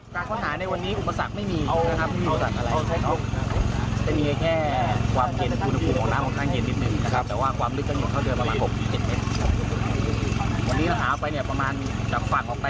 การค้นหาในวันนี้อุปสรรคไม่มีนะครับไม่มีอุปสรรคอะไร